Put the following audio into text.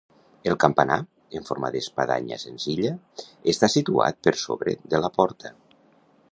El campanar, en forma d'espadanya senzilla, està situat per sobre de la porta.